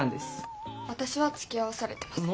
私はつきあわされてます。